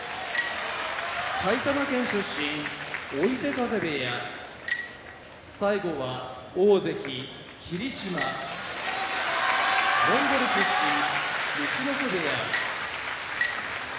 埼玉県出身追手風部屋大関・霧島モンゴル出身陸奥部屋